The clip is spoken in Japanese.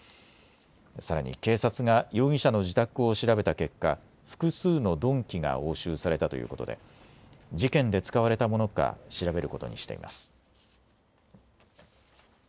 さらに警察が容疑者の自宅を調べた結果、複数の鈍器が押収されたということで事件で使われたものか調べることにしています。